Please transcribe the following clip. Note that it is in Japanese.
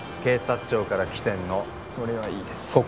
警察庁から来てんのそれはいいです